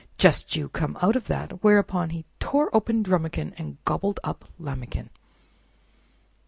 Just you come out of that!" Whereupon he tore open Drumikin and gobbled up Lambikin.